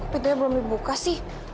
fitnya belum dibuka sih